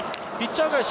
ピッチャー返し